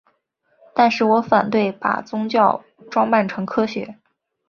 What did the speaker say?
但是我反对把宗教装扮成科学。